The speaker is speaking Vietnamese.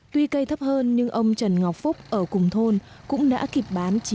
tuy cây thấp hơn nhưng ông trần ngọc phúc ở cùng thôn cũng đã kịp bán chín trăm linh trậu quất